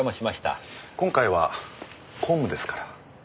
今回は公務ですから。